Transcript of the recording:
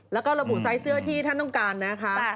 แล้วก็ระบุไซส์เสื้อที่ท่านต้องการนะคะ